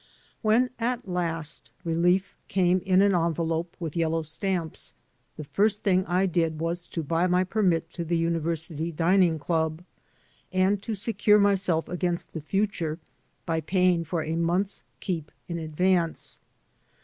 When, at last, relief came in an envelope with yel low stamps, the first thing I did was to buy my permit to the University Dining Club and to secure myself against the future by paying for a month's keep in advance.